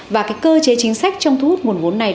và cái cơ chế chính sách trong thu hút nguồn vốn này